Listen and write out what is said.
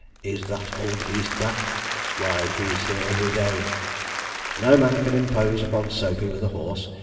is that old beast back? why he's here every day.' No man can impose upon Soapy with a horse.